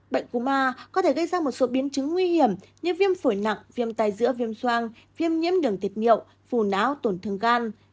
bệnh cô ma có thể gây ra một số biến chứng nguy hiểm như viêm phổi nặng viêm tai dữa viêm xoang viêm nhiễm đường tiệt miệng phù náo tổn thương gan